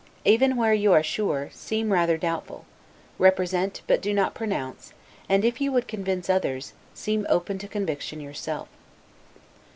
Even where you are sure, seem rather doubtful; represent, but do not pronounce, and, if you would convince others, seem open to conviction yourself.